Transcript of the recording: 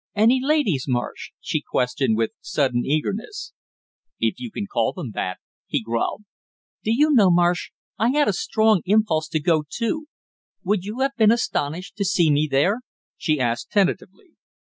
"Any ladies, Marsh?" she questioned, with sudden eagerness. "If you can call them that," he growled. "Do you know, Marsh, I had a strong impulse to go, too. Would you have been astonished to see me there?" she asked tentatively.